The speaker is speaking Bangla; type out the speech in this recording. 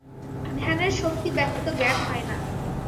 ধ্যানের শক্তি ব্যতীত জ্ঞান হয় না।